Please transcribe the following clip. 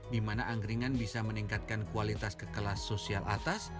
di mana angkringan bisa meningkatkan kualitas kekelas sosial atas